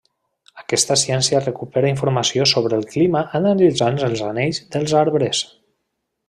Aquesta ciència recupera informació sobre el clima analitzant els anells dels arbres.